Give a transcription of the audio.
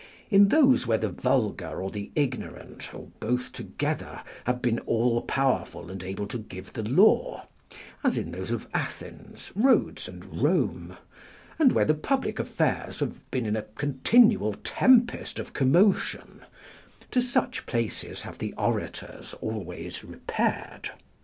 In those where the vulgar or the ignorant, or both together, have been all powerful and able to give the law, as in those of Athens, Rhodes, and Rome, and where the public affairs have been in a continual tempest of commotion, to such places have the orators always repaired.